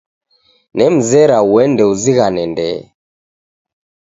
Nemreza uende uzighane ndee.